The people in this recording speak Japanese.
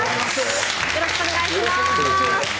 よろしくお願いします。